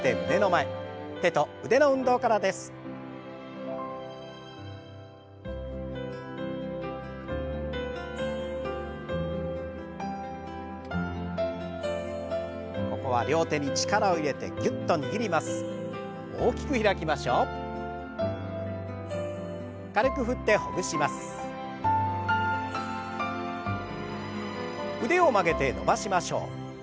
腕を曲げて伸ばしましょう。